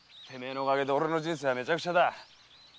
〔てめえのおかげで俺の人生はめちゃくちゃだ〕